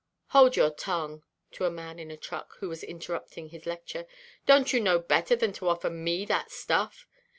—Hold your tongue," to a man in a truck, who was interrupting his lecture; "donʼt you know better than to offer me that stuff?